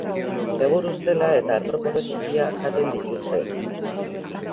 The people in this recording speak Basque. Egur ustela eta artropodo txikiak jaten dituzte.